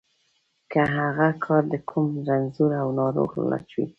که هغه کار د کوم رنځور او ناروغ علاج وي.